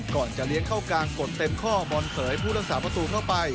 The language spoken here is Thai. ก่อนจะเลี้ยงเข้ากลางกดเต็มข้อบอลเสยผู้รักษาประตูเข้าไป